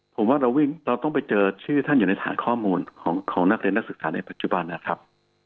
ผมว่าเราวิ่งเราต้องไปเจอชื่อท่านอยู่ในฐานข้อมูลของนักเรียนนักศึกษาในปัจจุบันนะครับ